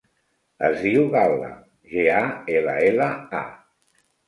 Es diu Gal·la: ge, a, ela, ela, a.